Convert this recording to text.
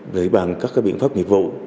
với bằng các biện pháp nghiệp vụ